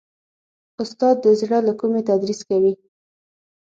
استاد د زړه له کومي تدریس کوي.